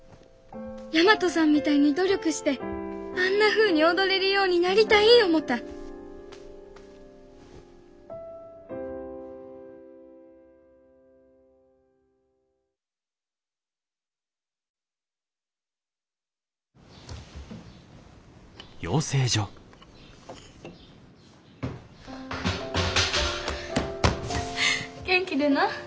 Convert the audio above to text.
大和さんみたいに努力してあんなふうに踊れるようになりたい思うた元気でな。